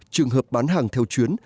trường hợp bán hàng theo chuyến